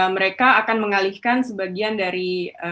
mereka akan mengalihkan sebagian dari